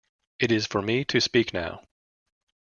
It is for me to speak now.